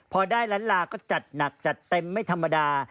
พอได้ล้านลาก็จัดหนักจัดเต็มไม่ธรรมดา